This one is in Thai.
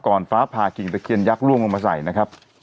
ฟ้าผ่ากิ่งตะเคียนยักษ์ล่วงลงมาใส่นะครับ